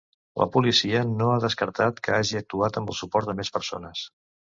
La policia no ha descartat que hagi actuat amb el suport de més persones.